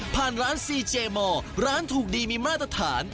ร้านซีเจมอร์ร้านถูกดีมีมาตรฐาน